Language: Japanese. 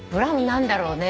何だろうね。